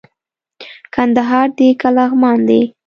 کندهار دئ که لغمان دئ